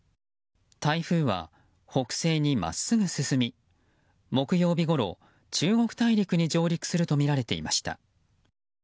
台風は、北西に真っすぐ進み木曜日ごろ、中国大陸に上陸するとみられていました。